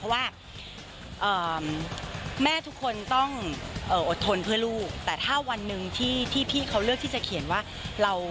เพราะว่าแม่ทุกคนต้องอดทนเพื่อลูกแต่ถ้าวันหนึ่งที่พี่เขาเลือกที่จะเขียนว่าเรา